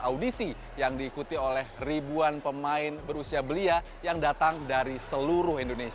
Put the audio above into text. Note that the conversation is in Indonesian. audisi yang diikuti oleh ribuan pemain berusaha untuk mencapai kepentingan dan kepentingan yang diperlukan oleh kota kretek